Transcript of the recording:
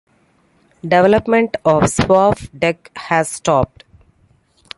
Development of Swfdec has stopped.